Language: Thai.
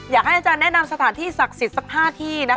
อยากให้อาจารย์แนะนำสถานที่ศักดิ์สิทธิ์สัก๕ที่นะคะ